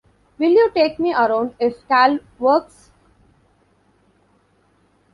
Will you take me around if Cal works?